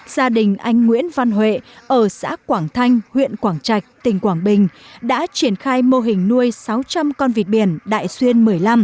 gia đình anh nguyễn văn huệ ở xã quảng thanh huyện quảng trạch tỉnh quảng bình đã triển khai mô hình nuôi sáu trăm linh con vịt biển đại xuyên một mươi năm